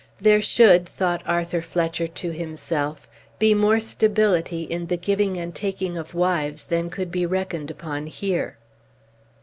There should, thought Arthur Fletcher to himself, be more stability in the giving and taking of wives than could be reckoned upon here.